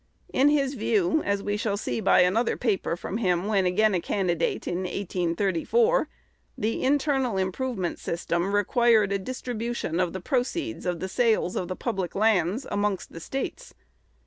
In his view, as we shall see by another paper from him when again a candidate in 1834, the internal improvement system required the distribution of the proceeds of the sales of the public lands amongst the States.